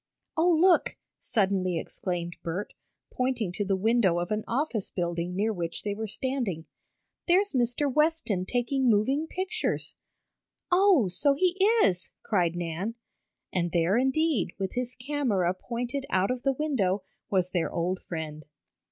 "Oh, look!" suddenly exclaimed Bert, pointing to the window of an office building near which they were standing. "There's Mr. Westen taking moving pictures!" "Oh, so he is!" cried Nan. And there indeed, with his camera pointed out of the window, was their old friend.